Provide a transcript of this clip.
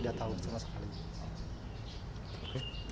tidak tahu sama sekali